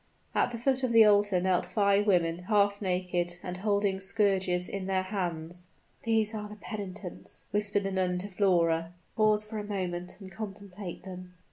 At the foot of the altar knelt five women, half naked, and holding scourges in their hands. "These are the penitents," whispered the nun to Flora. "Pause for a moment and contemplate them."